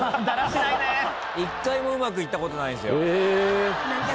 １回もうまくいったことないんすよ。